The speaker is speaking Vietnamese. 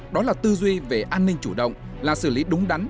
đó là tư duy về an ninh chủ động là xử lý đúng đắn